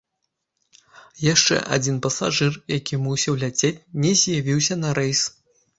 Яшчэ адзін пасажыр, які мусіў ляцець, не з'явіўся на рэйс.